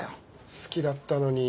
好きだったのに。